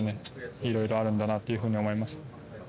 いろいろあるんだなと思います。